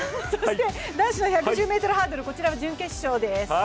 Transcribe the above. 男子の１１０ｍハードル、こちらは準決勝です。